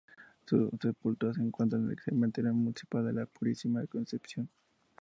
Su sepultura se encuentra en el Cementerio Municipal de la Purísima Concepción.